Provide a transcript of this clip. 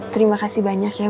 terima kasih banyak ya